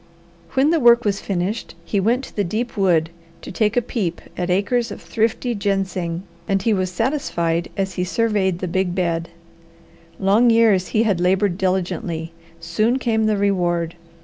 When the work was finished, he went to the deep wood to take a peep at acres of thrifty ginseng, and he was satisfied as he surveyed the big bed. Long years he had laboured diligently; soon came the reward.